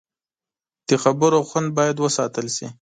د خبرو خوند باید وساتل شي